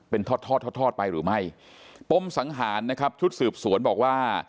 เป็นทอดทอดทอดทอดไปหรือไม่ปมสังหารนะครับชุดสืบสวนบอกว่า